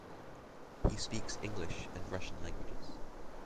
He speaks English and Russian languages.